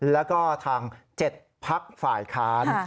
แล้วก็ทาง๗พักฝ่ายค้าน